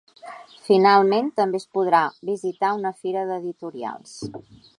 Finalment, també es podrà visitar una fira d’editorials.